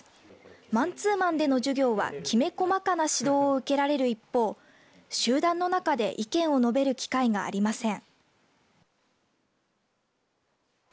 マンツーマンでの授業はきめ細かな指導を受けられる一方集団の中で意見を述べる機会がありません。